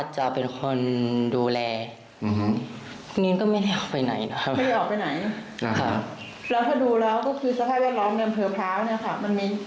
จริงหรือครับ